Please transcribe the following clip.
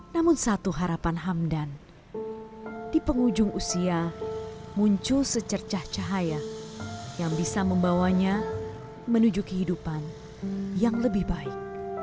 namun satu harapan hamdan di penghujung usia muncul secercah cahaya yang bisa membawanya menuju kehidupan yang lebih baik